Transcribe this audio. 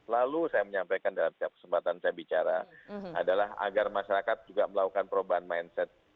lalu saya menyampaikan dalam setiap kesempatan saya bicara adalah agar masyarakat juga melakukan perubahan mindset